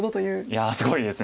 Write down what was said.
いやすごいです。